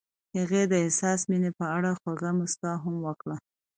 هغې د حساس مینه په اړه خوږه موسکا هم وکړه.